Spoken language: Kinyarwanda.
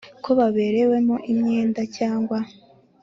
Ko baberewemo imyenda cyangwa